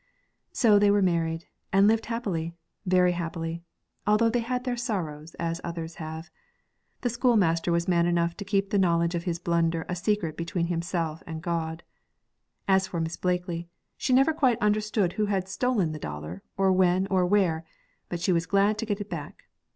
So they were married, and lived happily, very happily, although they had their sorrows, as others have. The schoolmaster was man enough to keep the knowledge of his blunder a secret between himself and God. As for Miss Blakely, she never quite understood who had stolen the dollar, or when, or where; but she was glad to get it back.